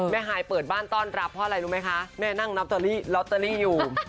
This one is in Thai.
ฮายเปิดบ้านต้อนรับเพราะอะไรรู้ไหมคะแม่นั่งลอตเตอรี่ลอตเตอรี่อยู่